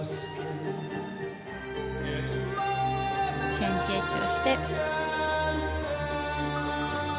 チェンジエッジをして。